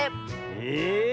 え⁉